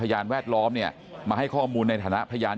การแวดล้อมมาให้ข้อมูลในฐานะพยาน